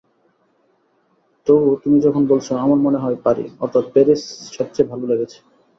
তবু তুমি যখন বলছ, আমার মনে হয়—পারি, অর্থাৎ প্যারিস সবচেয়ে ভালো লেগেছে।